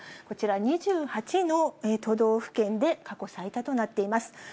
こちら、２８の都道府県で過去最多となっています。